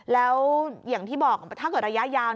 แล้วอย่างที่บอกถ้าเกิดระยะยาว